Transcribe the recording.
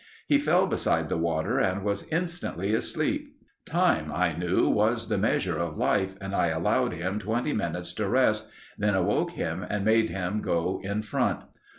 He fell beside the water and was instantly asleep. Time I knew, was the measure of life and I allowed him twenty minutes to rest, then awoke him and made him go in front.